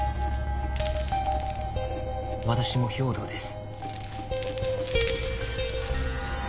私も兵働です。